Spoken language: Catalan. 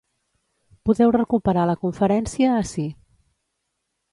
Podeu recuperar la conferència ací.